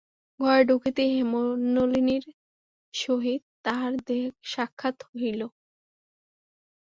ঘরে ঢুকিতেই হেমনলিনীর সহিত তাহার সাক্ষাৎ হইল।